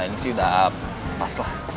ini sih udah pas lah